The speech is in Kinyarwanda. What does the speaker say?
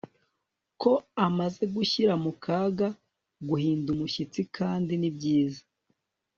ko amaze gushyira mu kaga, guhinda umushyitsi kandi ni byiza